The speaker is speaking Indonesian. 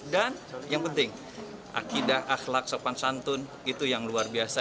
dan yang penting akidah akhlak sopan santun itu yang luar biasa